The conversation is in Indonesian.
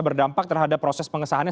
berdampak terhadap proses pengesahannya